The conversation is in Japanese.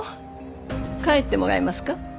帰ってもらえますか？